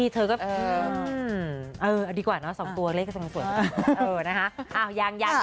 เธอก็เออเอาดีกว่าเนอะ๒ตัวเลขก็สวย